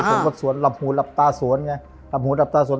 ผมก็สวนหลับหูหลับตาสวนไงหลับหูหลับตาสวน